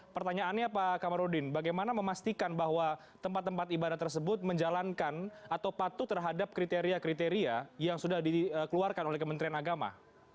pertanyaannya pak kamarudin bagaimana memastikan bahwa tempat tempat ibadah tersebut menjalankan atau patuh terhadap kriteria kriteria yang sudah dikeluarkan oleh kementerian agama